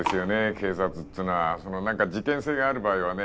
警察っつのは事件性がある場合はね